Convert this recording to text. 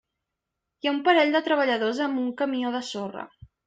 Hi ha un parell de treballadors amb un camió de sorra.